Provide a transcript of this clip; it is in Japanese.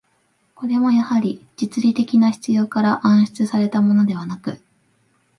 これもやはり、実利的な必要から案出せられたものではなく、